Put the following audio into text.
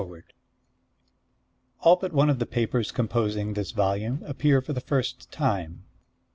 BOSTON, U.S.A. All but one of the papers composing this volume appear for the first time.